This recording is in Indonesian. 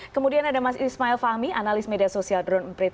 kemudian ada mas ismail fahmi analis media sosial drone emprit